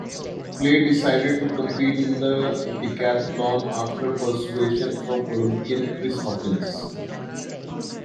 Clay decided to compete in the decathlon after persuasion from Olympian Chris Huffins.